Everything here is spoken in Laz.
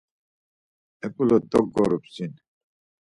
Eǩule doggorup sin.